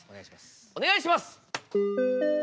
お願いします。